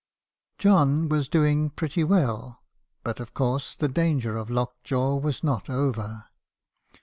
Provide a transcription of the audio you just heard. " John was doing pretty well ; but of course the danger of locked jaw was not over.